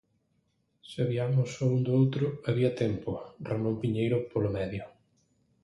Sabiamos o un do outro había tempo, Ramón Piñeiro polo medio.